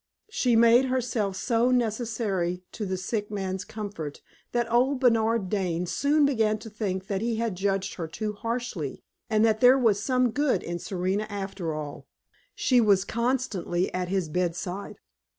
She made herself so necessary to the sick man's comfort that old Bernard Dane soon began to think that he had judged her too harshly, and that there was some good in Serena after all. She was constantly at his bed side.